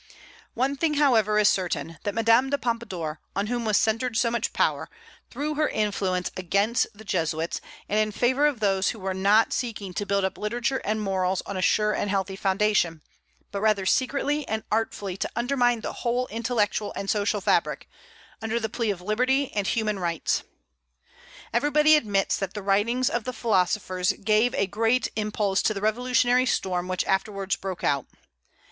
One thing, however, is certain, that Madame de Pompadour, in whom was centred so much power, threw her influence against the Jesuits, and in favor of those who were not seeking to build up literature and morals on a sure and healthy foundation, but rather secretly and artfully to undermine the whole intellectual and social fabric, under the plea of liberty and human rights. Everybody admits that the writings of the philosophers gave a great impulse to the revolutionary storm which afterwards broke out.